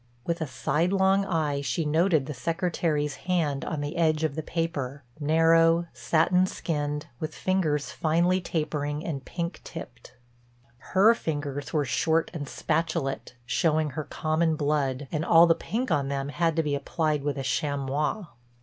With a sidelong eye she noted the Secretary's hand on the edge of the paper—narrow, satin skinned, with fingers finely tapering and pink tipped. Her fingers were short and spatulate, showing her common blood, and all the pink on them had to be applied with a chamois.